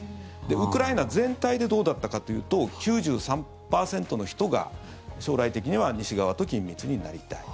ウクライナ全体でどうだったかというと９３％の人が、将来的には西側と緊密になりたい。